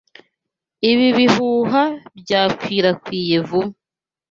Ibi bihuha byakwirakwiriye vuba.